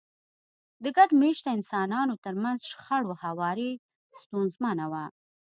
د ګډ مېشته انسانانو ترمنځ شخړو هواری ستونزمنه وه.